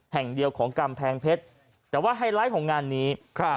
แห่งเดียวของกำแพงเพชรแต่ว่าไฮไลท์ของงานนี้ครับ